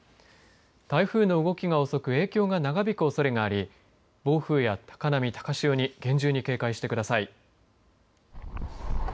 台風の動きが遅く影響が長引くおそれがあり暴風や高波、高潮に厳重に警戒してください。